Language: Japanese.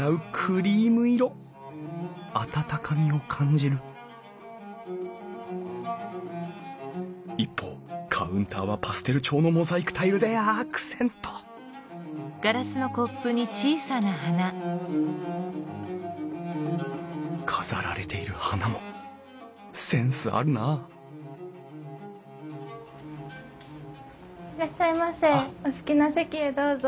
温かみを感じる一方カウンターはパステル調のモザイクタイルでアクセント飾られている花もセンスあるなあいらっしゃいませお好きな席へどうぞ。